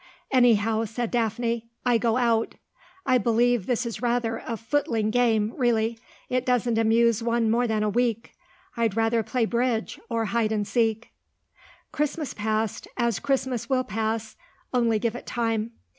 "Anyhow," said Daphne, "I go out.... I believe this is rather a footling game, really. It doesn't amuse one more than a week. I'd rather play bridge, or hide and seek." Christmas passed, as Christmas will pass, only give it time.